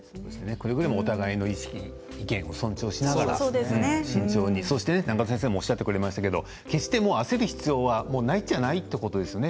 くれぐれもお互いの意見を尊重しながら慎重にそして先生もおっしゃってくれましたけど決して焦る必要はないんじゃない、ということですね。